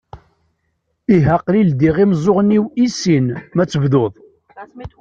Ihi aql-i ldiɣ imeẓẓuɣen-iw i sin ma ad tebduḍ.